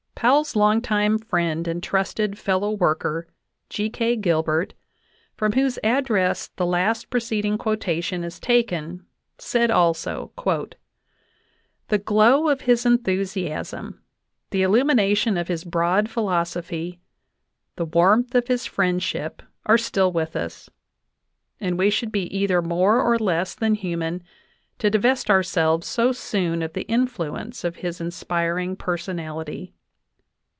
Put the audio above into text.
Powell's long time friend and trusted fellow worker, G. K. Gilbert, from whose address the last preceding quotation is taken, said also : "The glow of his enthusiasm, the illumination of his broad philosophy, the warmth of his friendship, are still with us, and we should be either more or less than human to divest ourselves so soon of the influence of his inspiring per sonality.